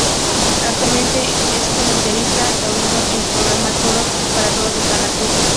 Actualmente es comentarista taurino en el programa Toros para todos de Canal Sur.